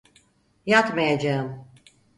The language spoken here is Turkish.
Yatmayacağım.